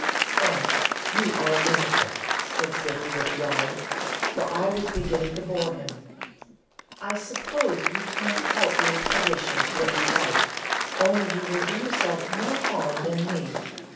"Frank, you are a lunatic," said Spiffy, with a yawn, for I was beginning to bore him. "I suppose I can't help your publishing what you like, only you will do yourself more harm than me.